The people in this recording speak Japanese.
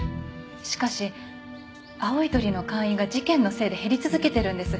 しかし青い鳥の会員が事件のせいで減り続けてるんです。